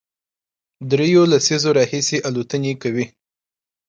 درېیو لسیزو راهیسې الوتنې کوي،